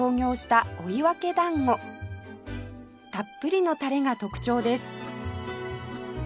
たっぷりのタレが特徴です